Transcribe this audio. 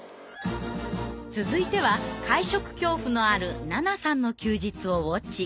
続いては会食恐怖のあるななさんの休日をウォッチング。